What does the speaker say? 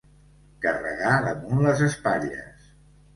Carregar damunt les espatlles.